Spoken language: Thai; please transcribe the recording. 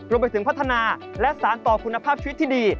รวมไปถึงพัฒนาและสารต่อคุณภาพชีวิตที่ดี